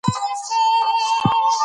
څوک د کورنۍ په اقتصاد کې مرسته کوي؟